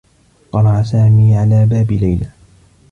قرع سامي على باب ليلى.